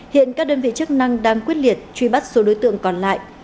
hiện các đơn vị chức năng đang quyết liệt truy bắt số đối tượng còn lại